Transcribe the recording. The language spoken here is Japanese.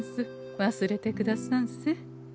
忘れてくださんせ。